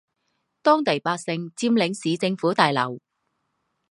当地百姓占领市政府大楼。